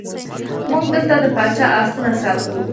موږ دلته د پاچا آسونه ساتو.